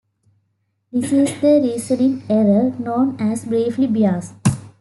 This is the reasoning error known as belief bias.